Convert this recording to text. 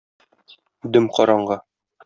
Дөм караңгы.